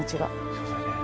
そうだね。